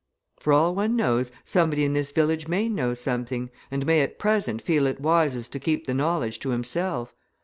For all one knows, somebody in this village may know something, and may at present feel it wisest to keep the knowledge to himself.